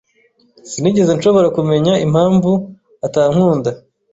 Sinigeze nshobora kumenya impamvu atankunda.